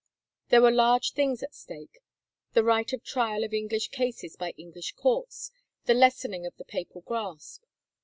There were large things at stake — the right of trial of English cases by English courts, the lessening of the papal grasp.